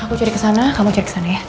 aku cari kesana kamu cari kesana ya